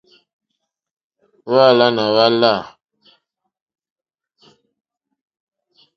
Hwáǎlánà hwá lâ.